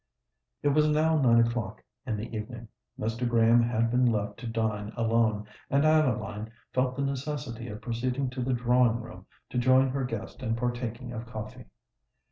It was now nine o'clock in the evening: Mr. Graham had been left to dine alone; and Adeline felt the necessity of proceeding to the drawing room, to join her guest in partaking of coffee.